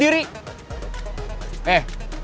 biarin kayak dia bebas diri